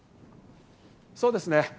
そうですね。